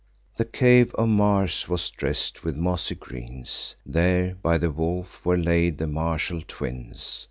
The cave of Mars was dress'd with mossy greens: There, by the wolf, were laid the martial twins.